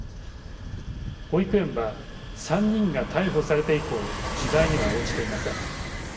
保育園は、３人が逮捕されて以降取材には応じていません。